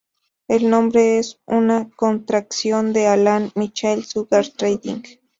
El nombre es una contracción de Alan Michael Sugar Trading.